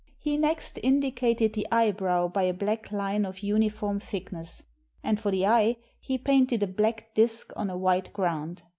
He next indi cated the eyebrow by a black line of uniform thickness ; and for the eye, he painted a black disk on a white ground.